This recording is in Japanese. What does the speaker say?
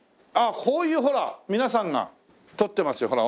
ああこういうほら皆さんが撮ってますよ。